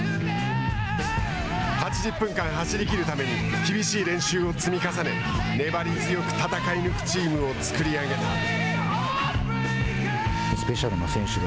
８０分間走りきるために厳しい練習を積み重ね粘り強く戦い抜くチームを作り上げた。